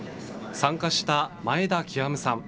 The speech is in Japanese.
参加した前田究さん。